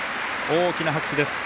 大きな拍手です。